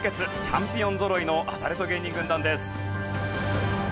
チャンピオンぞろいのアダルト芸人軍団です。